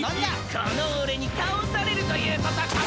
この俺に倒されるということコピー！